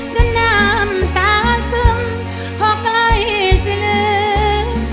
จนน้ำตาซึ้มพอกลัยสินึก